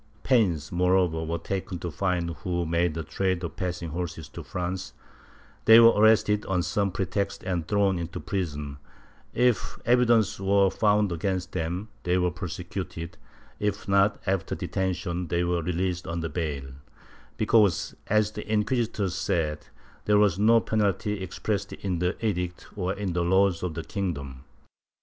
Pains, moreover were taken to find who made a trade of passing horses to France; they were arrested on some pretext and thrown into prison; if evidence Avere found against them, they were prose cuted ; if not, after detention they were released under bail, because, as the inquisitors said, there was no penalty expressed in the Edict or in the laws of the kingdom.